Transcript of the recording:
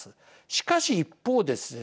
しかし一方ですね